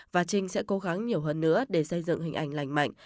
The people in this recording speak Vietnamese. và trinh sẽ cố gắng nhiều hơn nữa để xây dựng hình ảnh lành mạnh